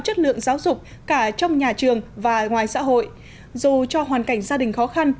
chất lượng giáo dục cả trong nhà trường và ngoài xã hội dù cho hoàn cảnh gia đình khó khăn